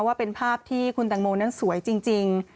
ว่าเป็นภาพที่คุณแตงโมนั้นสวยจริง